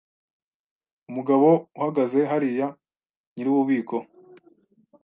Umugabo uhagaze hariya nyir'ububiko.